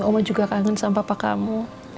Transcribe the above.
oma juga kangen sama pak kamu